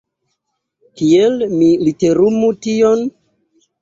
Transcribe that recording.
Kiel mi literumu tion?